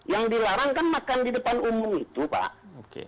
yang dilarang kan makan di depan umum itu pak